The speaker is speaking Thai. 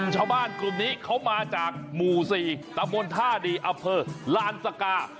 ชาวบ้านกลุ่มนี้เขามาจากหมู่ศรีตะโมนท่าดีอัฟเผอร์ลานสกา